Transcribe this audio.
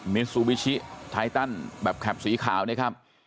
มิซูบิชิไทตันแบบแคปสีขาวนะครับ